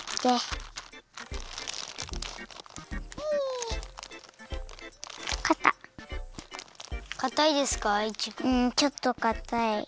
うんちょっとかたい。